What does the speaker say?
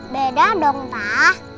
beda dong pak